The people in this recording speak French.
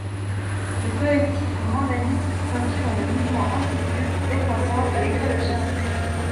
Le collectif Brandalism s'inscrit dans le mouvement antipub, décroissant et écologiste.